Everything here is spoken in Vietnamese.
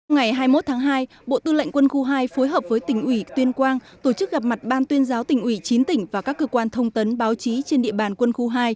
ngày hai mươi một tháng hai bộ tư lệnh quân khu hai phối hợp với tỉnh ủy tuyên quang tổ chức gặp mặt ban tuyên giáo tỉnh ủy chín tỉnh và các cơ quan thông tấn báo chí trên địa bàn quân khu hai